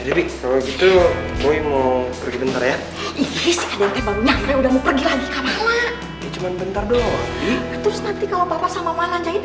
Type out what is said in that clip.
lebih begitu gue mau pergi bentar ya ini sudah mau pergi lagi cuma bentar doang